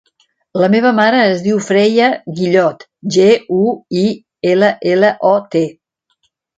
La meva mare es diu Freya Guillot: ge, u, i, ela, ela, o, te.